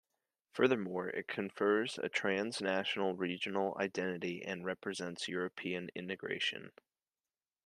Furthermore, it confers a trans-national regional identity and represents European integration.